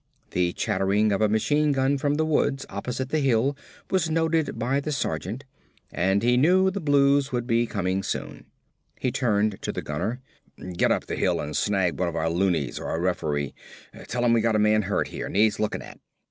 The chattering of a machine gun from the woods opposite the hill was noted by the sergeant and he knew the Blues would be coming soon. He turned to the gunner. "Get up the hill an' snag one of our looeys or a referee. Tell 'im we got a man hurt here, needs lookin' at."